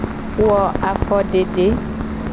Wo afodede.